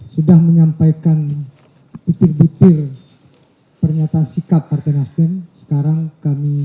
selamat malam pak suri apalo